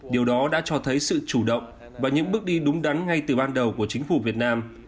điều đó đã cho thấy sự chủ động và những bước đi đúng đắn ngay từ ban đầu của chính phủ việt nam